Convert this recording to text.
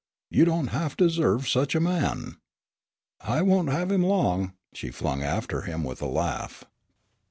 You don't half deserve such a man." "I won' have him long," she flung after him, with a laugh.